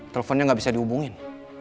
teleponnya gak bisa dihubungin